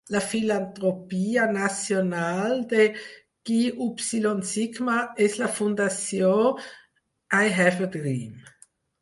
La filantropia nacional de Chi Upsilon Sigma és la fundació I Have A Dream.